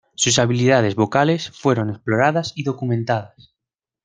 Sus habilidades vocales fueron exploradas y documentadas.